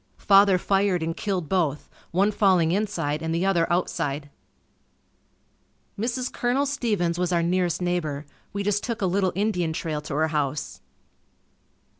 Father fired and killed both, one falling inside and the other outside. Mrs. Colonel Stevens was our nearest neighbor. We just took a little Indian trail to her house.